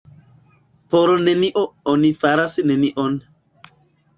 Por nenio oni faras nenion.